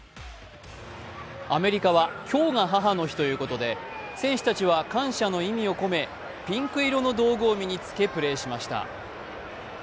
アメリカは今日が母の日ということで、選手たちは感謝の意味を込め、ピンク色の道具を身につけ、プレーしました。